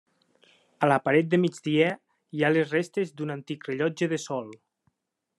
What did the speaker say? A la paret de migdia hi ha les restes d'un antic rellotge de sol.